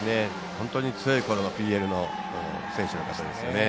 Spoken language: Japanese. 本当に強いころのＰＬの選手の方ですね。